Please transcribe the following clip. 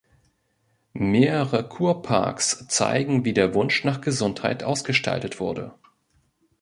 Mehrere Kurparks zeigen wie der Wunsch nach Gesundheit ausgestaltet wurde.